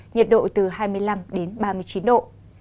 nhiệt độ từ hai mươi năm đến ba mươi chín độ